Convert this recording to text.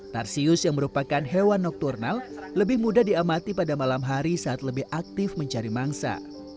tarsius yang merupakan hewan nokturnal lebih mudah diamati pada malam hari saat lebih aktif mencari mangsa